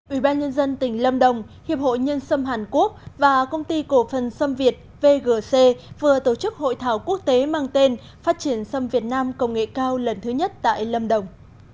ủy ban nhân dân tỉnh lâm đồng hiệp hội nhân xâm hàn quốc và công ty cổ phần xâm việt vgc vừa tổ chức hội thảo quốc tế mang tên phát triển xâm việt nam công nghệ cao lần thứ nhất tại lâm đồng